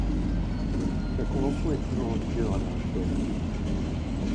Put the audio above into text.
La convention est toujours en vigueur à l'heure actuelle.